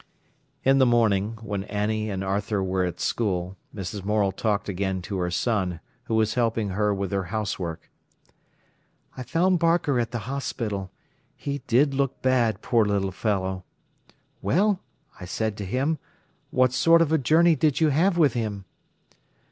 In the morning, when Annie and Arthur were at school, Mrs. Morel talked again to her son, who was helping her with her housework. "I found Barker at the hospital. He did look bad, poor little fellow! 'Well,' I said to him, 'what sort of a journey did you have with him?